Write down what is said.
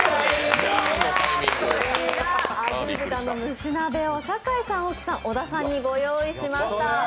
あぐー豚の蒸し鍋を酒井さん大木さん、小田さんにご用意しました。